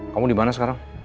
kamu dimana sekarang